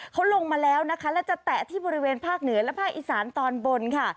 เขาลงมาแล้วนะคะแล้วจะแตะที่บริเวณภาคเหนือและภาคอีสานตอนบนค่ะ